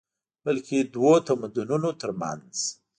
بلکې دوو تمدنونو تر منځ